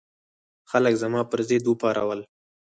خلک زما پر ضد وپارول.